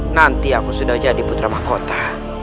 nanti aku sudah jadi putra mahkota